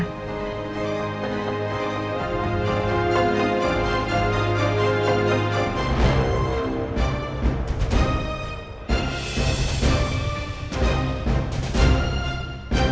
ketemu di kantor